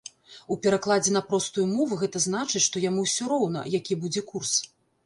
У перакладзе на простую мову гэта значыць, што яму ўсё роўна, які будзе курс.